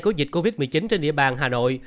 của dịch covid một mươi chín trên địa bàn hà nội